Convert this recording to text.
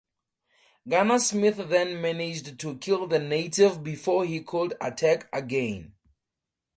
Gunner Smith then managed to kill the native before he could attack again.